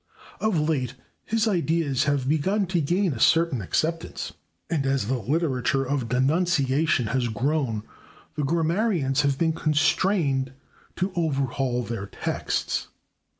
Of late his ideas have begun to gain a certain acceptance, and as the literature of denunciation has grown the grammarians have been constrained to overhaul their texts.